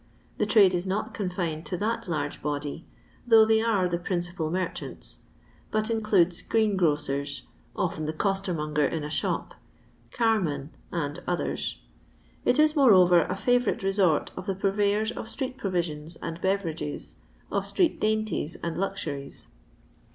The trade is not confined to that large body, though they are the principal merchants, but includes greengrocers (often the costermonger in a shop), carmen, and others. It is, moreover, a favourite resort of the purveyors of street pronsions and beverages, of street dainties and luxuries.